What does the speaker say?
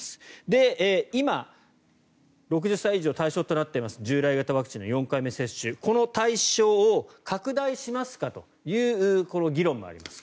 で、今６０歳以上対象となっている従来型ワクチンの４回目接種この対象を拡大しますかというこの議論もあります。